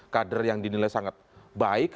kader yang dinilai sangat baik